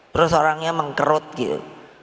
terus orangnya mengkerut gitu